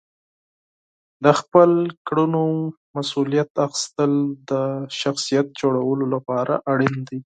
د خپلو کړنو مسئولیت اخیستل د شخصیت جوړولو لپاره مهم دي.